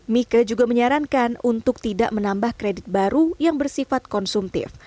mika juga menyarankan untuk tidak menambah kredit baru yang bersifat konsumtif